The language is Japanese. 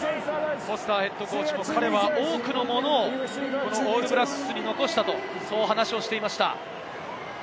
フォスターＨＣも彼は多くのものをオールブラックスに残したと話していました。